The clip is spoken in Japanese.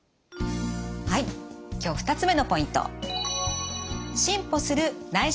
はい今日２つ目のポイント。